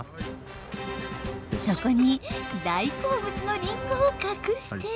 そこに大好物のリンゴをかくして。